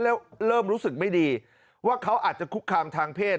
แล้วเริ่มรู้สึกไม่ดีว่าเขาอาจจะคุกคามทางเพศ